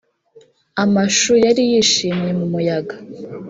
amashu yari yishimye mu muyaga;